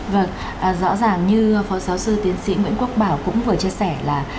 vâng rõ ràng như phó giáo sư tiến sĩ nguyễn quốc bảo cũng vừa chia sẻ là